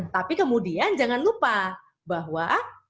tapi kemudian jangan lupa bahwa